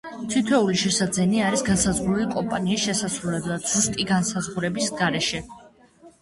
თითოეული შენაძენი არის განსაზღვრული კომპანიის შესასრულებლად, ზუსტი განსაზღვრების გარეშე.